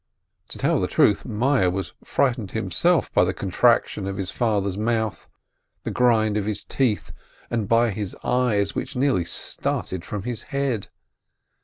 To tell the truth, Meyerl was frightened himself by the contraction of his father's mouth, the grind of his teeth, and by his eyes, which nearly started from his head.